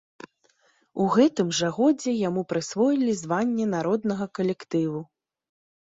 У гэтым жа годзе яму прысвоілі званне народнага калектыву.